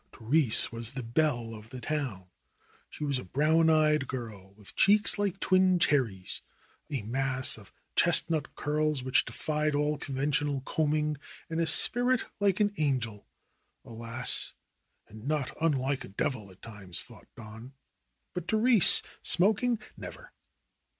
Therese was the belle of the town. She was a brown eyed girl, with cheeks like twin cherries, a mass of chest nut curls which defied all conventional combing and a spirit like an angel — alas! and not unlike a devil at times thought Don. But Therese smoking — never